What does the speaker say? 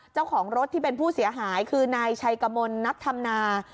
เจ้าของรถที่เป็นผู้เสียหายคือนายชัยกมลนักธรรมนา